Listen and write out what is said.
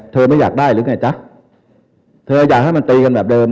ไม่อยากได้หรือไงจ๊ะเธออยากให้มันตีกันแบบเดิม